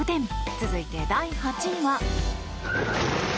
続いて、第８位は。